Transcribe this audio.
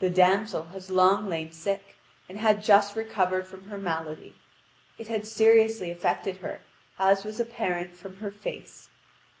The damsel had long lain sick, and had just recovered from her malady. It had seriously affected her, as was apparent from her face.